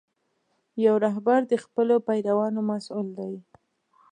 یو رهبر د خپلو پیروانو مسؤل دی.